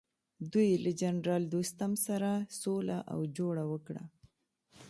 دوی له جنرال دوستم سره سوله او جوړه وکړه.